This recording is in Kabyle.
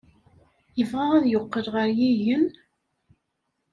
Yebɣa ad yeqqel ɣer yigen?